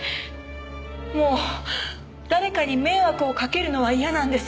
もう誰かに迷惑をかけるのは嫌なんです。